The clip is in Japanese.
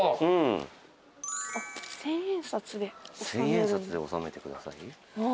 「千円札で納めて下さい」